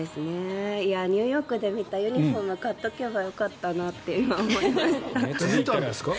ニューヨークで見たユニホームを買っておけばよかったなって見たんですか？